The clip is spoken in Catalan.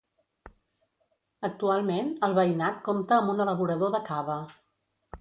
Actualment, el veïnat compta amb un elaborador de cava.